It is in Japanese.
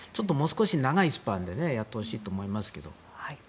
ちょっともう少し長いスパンでやってほしいと思いますけど。